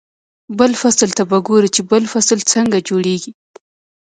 بل فصل ته به ګوري چې بل فصل څنګه جوړېږي.